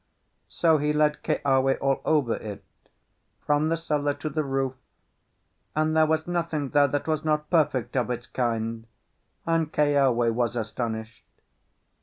So he led Keawe all over it, from the cellar to the roof, and there was nothing there that was not perfect of its kind, and Keawe was astonished.